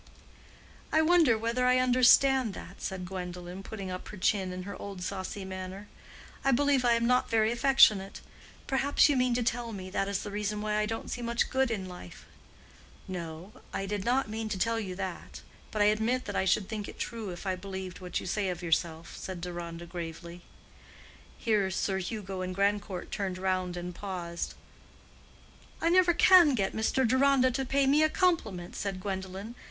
"I wonder whether I understand that," said Gwendolen, putting up her chin in her old saucy manner. "I believe I am not very affectionate; perhaps you mean to tell me, that is the reason why I don't see much good in life." "No, I did not mean to tell you that; but I admit that I should think it true if I believed what you say of yourself," said Deronda, gravely. Here Sir Hugo and Grandcourt turned round and paused. "I never can get Mr. Deronda to pay me a compliment," said Gwendolen.